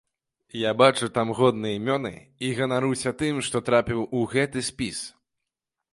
Я бачу там годныя імёны і ганаруся тым, што трапіў у гэты спіс.